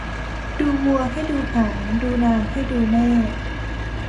ดูวัวให้ดูหาง ดูนางให้ดูแม่